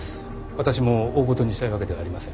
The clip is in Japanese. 私も大ごとにしたいわけではありません。